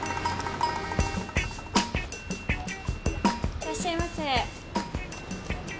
いらっしゃいませ。